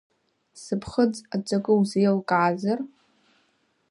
Сыԥхыӡ аҵакы узеилкаазар?